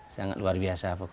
sangat luar biasa pokoknya